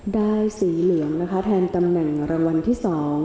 สีเหลืองนะคะแทนตำแหน่งรางวัลที่๒